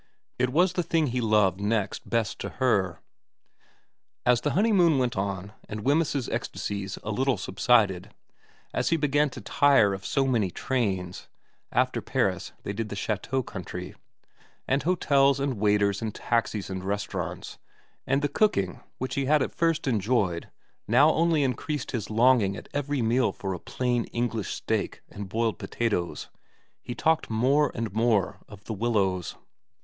It was the thing he loved next best to her. As the honeymoon went on and Wemyss's ecstasies XIV VERA 151 a little subsided, as he began to tire of so many trains after Paris they did the chateaux country and hotels and waiters and taxis and restaurants, and the cooking which he had at first enjoyed now only increased his longing at every meal for a plain English steak and boiled potatoes, he talked more and more of The Willows.